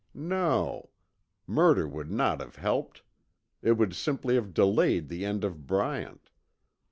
No. Murder would not have helped. It would simply have delayed the end of Bryant.